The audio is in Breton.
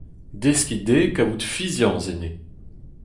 Deskiñ dezhe kaout fiziañs enne !